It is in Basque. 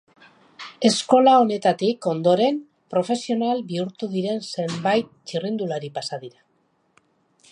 Eskola honetatik ondoren profesional bihurtu diren zenbait txirrindulari pasa dira.